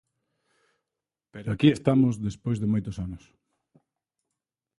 Pero aquí estamos despois de moitos anos.